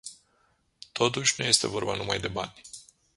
Totuși, nu este vorba numai de bani.